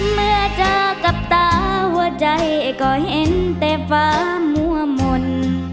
เมื่อเจอกับตาหัวใจก็เห็นแต่ฟ้ามั่วมนต์